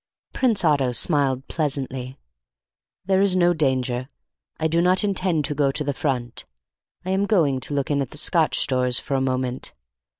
Prince Otto smiled pleasantly. "There is no danger. I do not intend to go to the front. I am going to look in at the Scotch Stores for a moment."